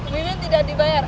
bimbing tidak dibayar